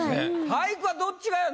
俳句はどっちがやんの？